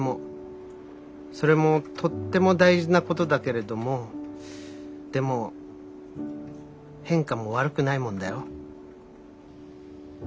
それもとっても大事なことだけれどもでも変化も悪くないもんだよ。